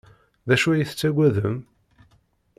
D acu ay tettaggadem?